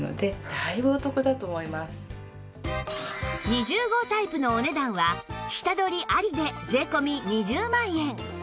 ２０号タイプのお値段は下取りありで税込２０万円